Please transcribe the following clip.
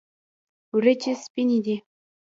وریجې سپینې دي.